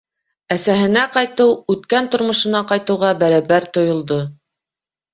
Әсәһенә ҡайтыу үткән тормошона ҡайтыуға бәрәбәр тойолдо.